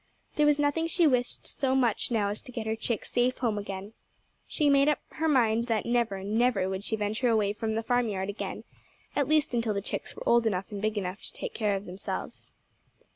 There was nothing she wished so much now as to get her chicks safe home again. She made up her mind that never, never would she venture away from the farmyard again—at least until the chicks were old enough and big enough to take care of themselves.